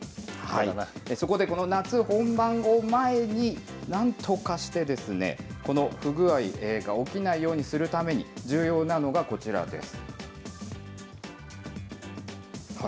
そこでこの夏本番を前に、なんとかして、この不具合が起きないようにするために、重要なのがこちらです。